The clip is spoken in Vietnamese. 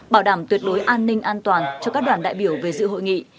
bảo đảm tuyệt đối an ninh an toàn cho các đoàn đại biểu về dự hội nghị